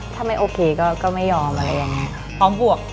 ถ้าไม่โอเคก็ไม่ยอมพร้อมพวก